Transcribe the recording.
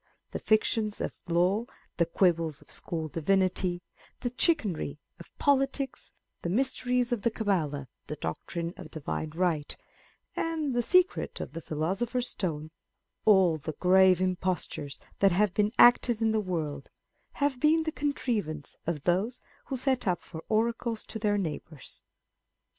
The fictions of law, the quibbles of school divinity, the chicanery of politics, the mysteries of the Cabala, the doctrine of Divine Right, and the secret of the philosopher's stone, â€" all the grave impostures that have been acted in the world, have been the contriv ance of those who set up for oracles to their neighbours.